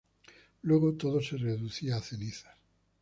Luego todo se reducía a cenizas.